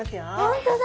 本当だ。